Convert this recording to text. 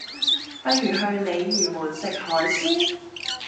不如去鯉魚門食海鮮？